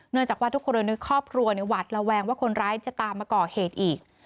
จากว่าทุกคนครอบครัวหวัดระแวงว่าคนร้ายจะตามมาก่อเหตุอีก